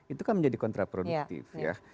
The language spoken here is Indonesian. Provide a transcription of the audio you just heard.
itu kan menjadi kontraproduktif ya